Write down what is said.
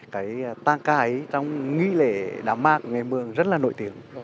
cái tăng ca ấy trong nghị lễ đám mạc nghệ mương rất là nổi tiếng